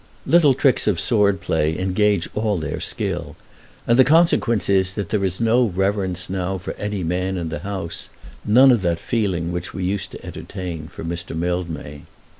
Little tricks of sword play engage all their skill. And the consequence is that there is no reverence now for any man in the House, none of that feeling which we used to entertain for Mr. Mildmay.